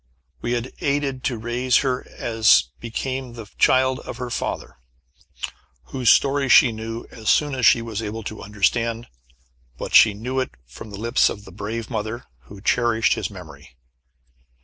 We had aided to raise her as became the child of her father, whose story she knew as soon as she was able to understand, but she knew it from the lips of the brave mother, who cherished his memory.